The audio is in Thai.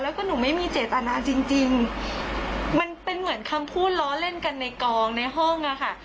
แล้วก็หนูไม่มีเจตนาจริงจริงมันเป็นเหมือนคำพูดล้อเล่นกันในกองในห้องอะค่ะ